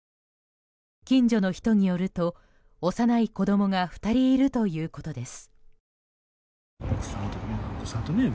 近所の人によると幼い子供が２人いるということです。